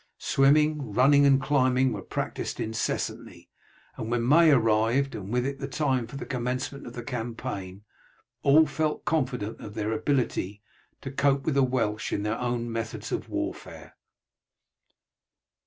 Swimming, running, and climbing were practised incessantly, and when May arrived, and with it the time for the commencement of the campaign, all felt confident of their ability to cope with the Welsh in their own methods of warfare.